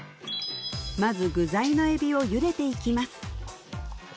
まず具材の海老をゆでていきます